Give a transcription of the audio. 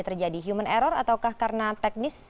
terjadi human error ataukah karena teknis